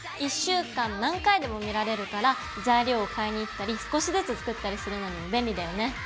１週間何回でも見られるから材料を買いに行ったり少しずつ作ったりするのにも便利だよね。